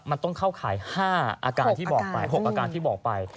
มันต้องเข้าข่าย๕อาการที่บอกไป๖อาการที่บอกไป